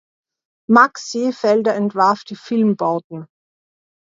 Max Seefelder entwarf die Filmbauten.